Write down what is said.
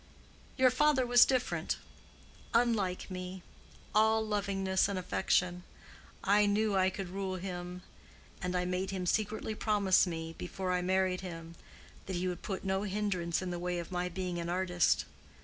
"Your father was different. Unlike me—all lovingness and affection. I knew I could rule him; and I made him secretly promise me, before I married him, that he would put no hindrance in the way of my being an artist.